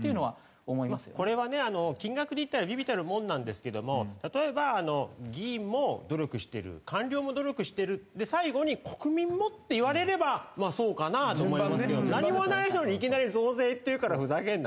これはね金額でいったら微々たるものなんですけども例えば議員も努力してる官僚も努力してる最後に国民もって言われればまあそうかなと思いますけど何もないのにいきなり増税って言うからふざけんな。